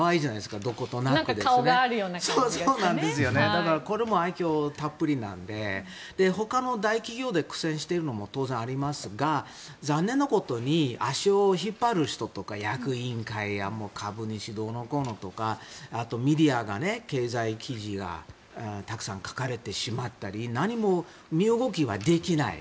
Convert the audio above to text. だからこれも愛嬌たっぷりなのでほかの大企業で苦戦しているのも当然ありますが残念なことに足を引っ張る人とか役員会や株主どうのこうのとかメディアが経済記事がたくさん書かれてしまったり何も身動きはできない。